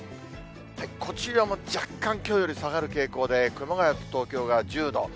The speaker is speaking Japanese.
こちらも若干、きょうより下がる傾向で、熊谷と東京が１０度。